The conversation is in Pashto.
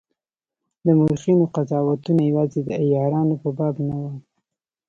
د مورخینو قضاوتونه یوازي د عیارانو په باب نه وای.